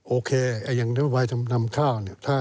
โอเคอย่างนิยบายทำท่าวเนี่ย